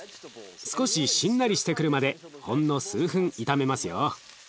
少ししんなりしてくるまでほんの数分炒めますよ。